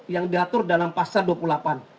yang diatur dalam pasal dua puluh delapan